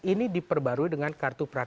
ini diperbarui dengan kartu kartu ini